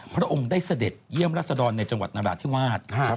พระองค์ได้เสด็จเยี่ยมรัศดรในจังหวัดนราธิวาส